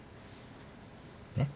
ねっ。